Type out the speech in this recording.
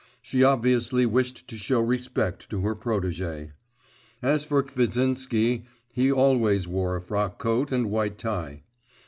She obviously wished to show respect to her protégé. As for Kvitsinsky, he always wore a frock coat and white tie.